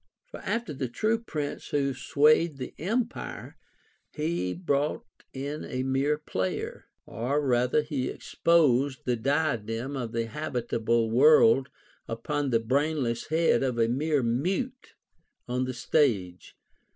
For after the true prince who swayed the empire, he brought in a mere player ; or rather he exposed the diadem of the habitable world upon the brainless head of a mere mute on the stage.